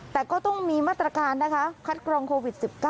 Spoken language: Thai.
แต่ก็ต้องมีมาตรการนะคะคัดกรองโควิด๑๙